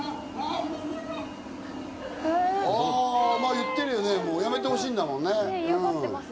言ってるよね、やめてほしいんだよね。